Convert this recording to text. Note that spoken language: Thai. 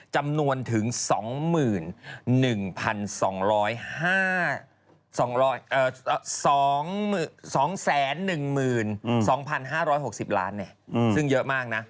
จำนวนถึง๒๑๒๖๐๐๐๐บาทซึ่งเยอะมาก